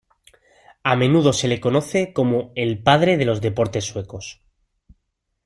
A menudo se le conoce como el "padre de los deportes suecos".